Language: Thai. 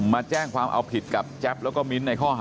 ลูกสาวหลายครั้งแล้วว่าไม่ได้คุยกับแจ๊บเลยลองฟังนะคะ